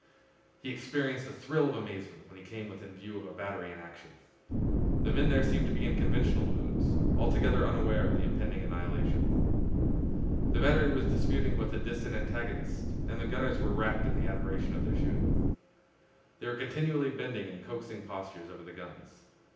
He experienced a thrill of amazement when he came within view of a battery in action. The men there seemed to be in conventional moods, altogether unaware of the impending annihilation. The battery was disputing with a distant antagonist and the gunners were wrapped in admiration of their shooting. They were continually bending in coaxing postures over the guns.